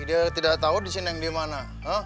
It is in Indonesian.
dia tidak tau di sini yang dimana